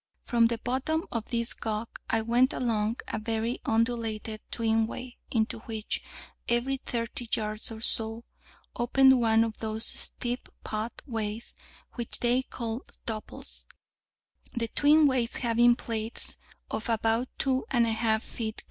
From the bottom of this gugg I went along a very undulating twin way, into which, every thirty yards or so, opened one of those steep putt ways which they called topples, the twin ways having plates of about 2 1/2 ft.